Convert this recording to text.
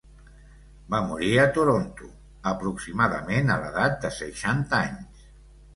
Va morir a Toronto aproximadament a l'edat de seixanta anys.